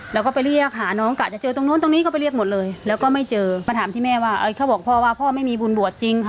แล้วก็ไปเรียกหาน้องกะจะเจอตรงนู้นตรงนี้ก็ไปเรียกหมดเลยแล้วก็ไม่เจอมาถามที่แม่ว่าเขาบอกพ่อว่าพ่อไม่มีบุญบวชจริงค่ะ